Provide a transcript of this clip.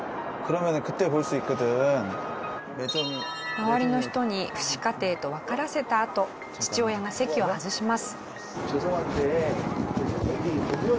周りの人に父子家庭とわからせたあと父親が席を外します。